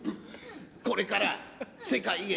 これから世界へ